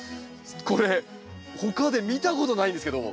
これ他で見たことないんですけど。